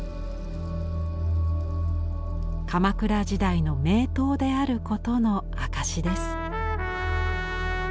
鎌倉時代の名刀であることの証しです。